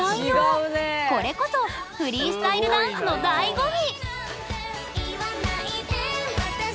これこそフリースタイルダンスのだいご味！